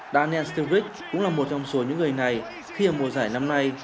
daniel sturridge cũng là một trong số những người này khi ở mùa giải năm nay